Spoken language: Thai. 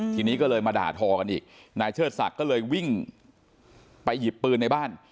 ทีนี้ก็เลยมาด่าทอกันอีกนายเชิดศักดิ์ก็เลยวิ่งไปหยิบปืนในบ้าน